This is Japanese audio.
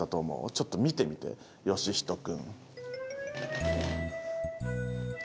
ちょっと見てみてよしひと君。